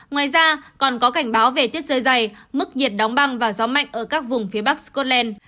ngoài ra còn có cảnh báo về tiết rơi dày mức nhiệt đóng băng và gió mạnh ở các vùng phía bắc scotland